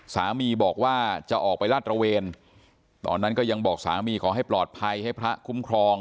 สามีบอกว่าจะออกไปลาดตระเวนตอนนั้นก็ยังบอกสามีขอให้ปลอดภัยให้พระคุ้มครอง